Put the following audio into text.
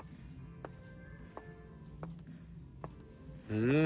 うん！